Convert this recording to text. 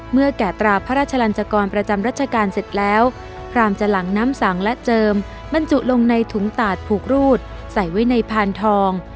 แก่ตราพระราชลันจกรประจำรัชกาลเสร็จแล้วพรามจะหลังน้ำสังและเจิมบรรจุลงในถุงตาดผูกรูดใส่ไว้ในพานทอง